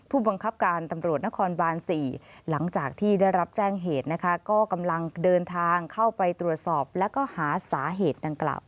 ผู้บังคับการตำรวจนครบาล๔หลังจากที่ได้รับแจ้งเหตุกำลังเดินทางเข้าไปตรวจสอบและหาสาเหตุ